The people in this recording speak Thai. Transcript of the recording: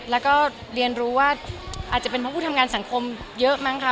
แล้วก็เรียนรู้ว่าอาจจะเป็นเพราะผู้ทำงานสังคมเยอะมั้งค่ะ